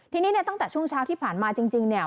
ทีนี้เนี่ยตั้งแต่ช่วงเช้าที่ผ่านมาจริงเนี่ย